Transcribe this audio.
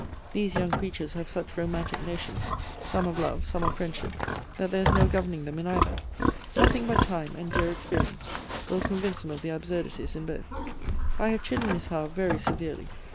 These young creatures have such romantic notions, some of life, some of friendship, that there is no governing them in either. Nothing but time, and dear experience, will convince them of their absurdities in both. I have chidden Miss Howe very severely.